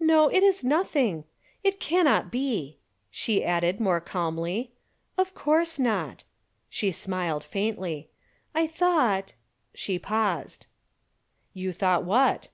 "No, it is nothing. It cannot be," she added, more calmly. "Of course not." She smiled faintly. "I thought " she paused. "You thought what?"